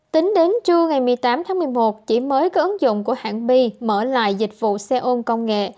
tính đến trưa ngày một mươi tám một mươi một chỉ mới có ứng dụng của hãng bi mở lại dịch vụ xe ôm công nghệ